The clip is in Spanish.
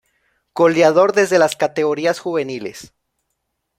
Goleador desde las categorías juveniles